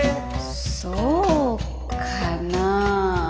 そうかな。